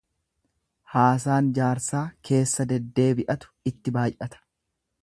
Haasaan jaarsaa keessa deddeebi'atu itti baay'ata.